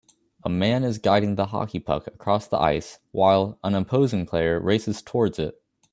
A man is guiding the hockey puck across the ice while an opposing player races towards it